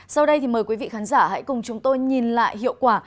sau đây thì mời quý vị khán giả hãy cùng chúng tôi nhìn lại hiệu quả